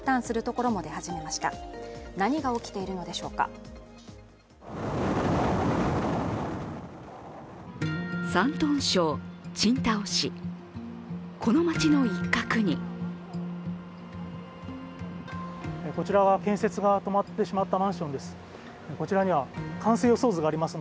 この街の一角にこちらは建設が止まってしまったマンションです。